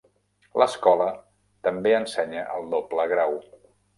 L'escola també ensenya el doble grau.